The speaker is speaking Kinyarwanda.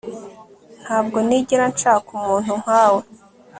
Ntabwo nigera nshaka umuntu nkawe